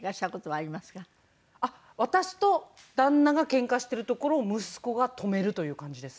あっ私と旦那がケンカしてるところを息子が止めるという感じです。